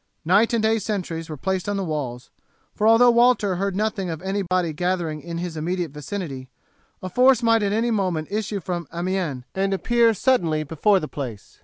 Night and day sentries were placed on the walls, for although Walter heard nothing of any body gathering in his immediate vicinity, a force might at any moment issue from Amiens and appear suddenly before the place.